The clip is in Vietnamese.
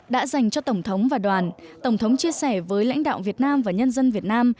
đã dành cho tổng thống và đoàn tổng thống chia sẻ với lãnh đạo việt nam và nhân dân việt nam